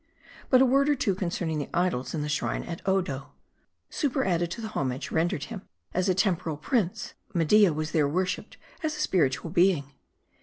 But a word or two concerning the idols in the shrine at 206 M A R D I. Odo. Superadded to the homage rendered him as a tempo ral prince, Media was there worshiped as a spiritual being.